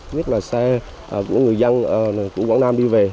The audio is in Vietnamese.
nhất là xe của người dân quảng nam đi về